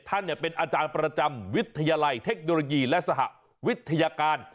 ท่านเป็นอาจารย์ประจำวิทยาลัยเทคโนโลยีและสหวิทยาการ